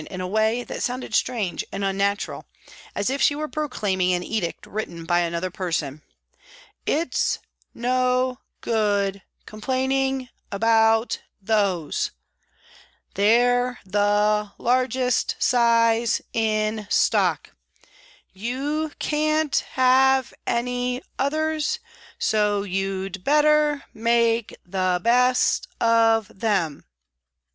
Q 82 PRISONS AND PRISONERS way that sounded strange and unnatural, as if she were proclaiming an edict written by another person: " It's no good complaining about those ; they're the largest size in stock ; you can't have any others so you'd better make the best of them